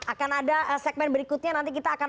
akan ada segmen berikutnya nanti kita akan